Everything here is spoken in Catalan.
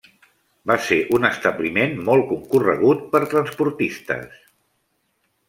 Va ser un establiment molt concorregut per transportistes.